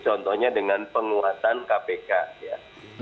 contohnya dengan penguatan kpk ya